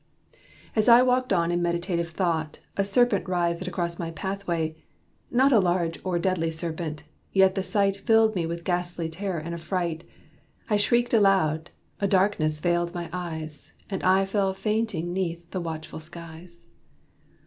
As I walked on in meditative thought, A serpent writhed across my pathway; not A large or deadly serpent; yet the sight Filled me with ghastly terror and affright. I shrieked aloud: a darkness veiled my eyes And I fell fainting 'neath the watchful skies.